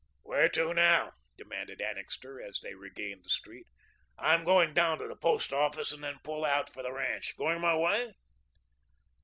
"Where to now?" demanded Annixter as they regained the street. "I'm going down to the Post Office and then pull out for the ranch. Going my way?"